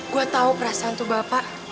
gue tahu perasaan tuh bapak